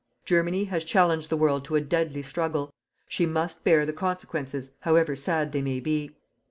Germany has challenged the world to a deadly struggle. She must bear the consequences, however sad they may be.